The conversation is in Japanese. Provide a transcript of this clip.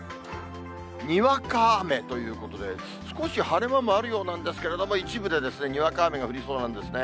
にわか雨ということで、少し晴れ間もあるようなんですけれども、一部でにわか雨が降りそうなんですね。